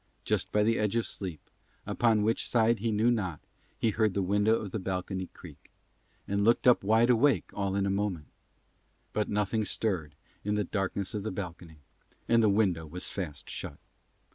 Just by the edge of sleep, upon which side he knew not, he heard the window of the balcony creak, and looked up wide awake all in a moment. But nothing stirred in the darkness of the balcony and the window was fast shut.